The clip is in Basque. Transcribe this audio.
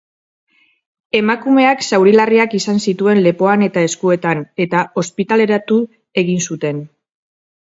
Emakumeak zauri larriak izan zituen lepoan eta eskuetan, eta ospitaleratu egin zuten.